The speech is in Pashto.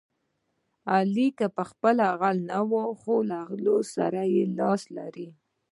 علي که په خپله پوخ غل نه دی، خو له غلو سره لاس لري.